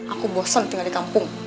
aku bosan tinggal di kampung